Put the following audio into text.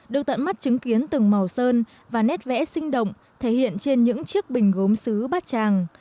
được tận mắt chứng kiến từng màu sơn và nét vẽ sinh động thể hiện trên những chiếc bình gốm xứ bát tràng